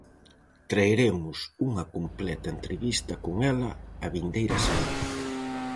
Traeremos unha completa entrevista con ela a vindeira semana.